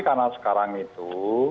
karena sekarang itu